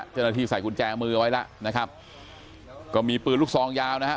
เจ้าหน้าที่ใส่กุญแจมือไว้ล่ะนะครับก็มีปืนลูกซองยาวนะฮะ